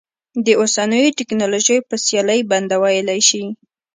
د اوسنیو ټکنالوژیو په سیالۍ بنده ویلی شي.